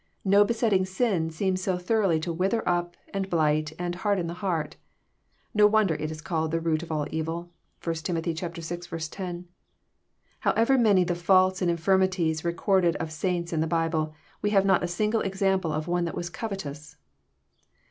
No be setting sin seems so thoroughly to wither up and blight and harden the heart. No wonder it is called "the root of all evil." (1 Tim. vi. 10.) However many the faults and infirmities re corded of saints in the Bible, we have not a single example of one that was covetous.